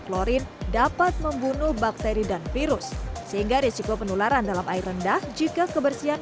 klorin dapat membunuh bakteri dan virus sehingga risiko penularan dalam air rendah jika kebersihan